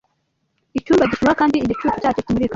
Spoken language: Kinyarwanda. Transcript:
icyumba gishyuha kandi igicucu cyacyo kimurika